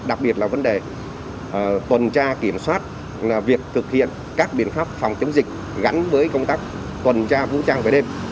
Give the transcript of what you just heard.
đặc biệt là vấn đề tuần tra kiểm soát việc thực hiện các biện pháp phòng chống dịch gắn với công tác tuần tra vũ trang về đêm